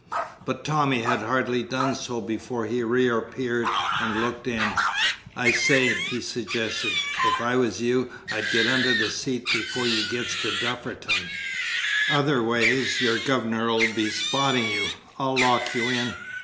But Tommy had hardly done so before he reappeared and looked in. "I say," he suggested, "if I was you, I'd get under the seat before you gets to Dufferton, otherways your guv'nor'll be spottin' you. I'll lock you in."